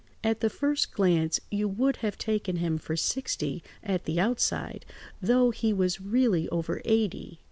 At the first glance you would have taken him for sixty at the outside, though he was really over eighty.